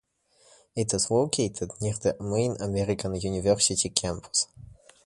It is located near the main American University campus.